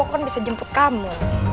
aku kan bisa jemput kamu